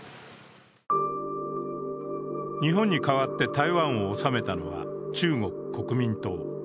日本に代わって台湾を治めたのは中国国民党。